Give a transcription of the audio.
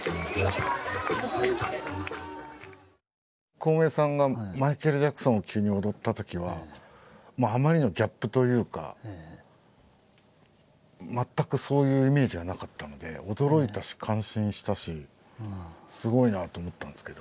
コウメさんがマイケル・ジャクソンを急に踊ったときはあまりのギャップというか全くそういうイメージがなかったので驚いたし感心したしすごいなと思ったんですけど。